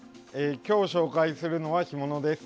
今日紹介するのは干物です。